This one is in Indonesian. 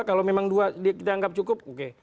kalau memang dua kita anggap cukup oke